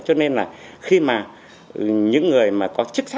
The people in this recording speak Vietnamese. cho nên là khi mà những người mà có chức sắc ấy